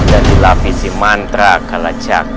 dan dilapisi mantra kalacag